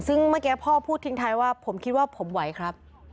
ซึ่งเมื่อกี้พ่อพูดทิ้งท้ายว่าผมคิดว่าผมไหวครับ